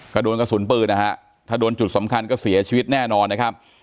ก็โดนกระสุนปืนนะฮะถ้าโดนจุดสำคัญก็เสียชีวิตแน่นอนนะครับ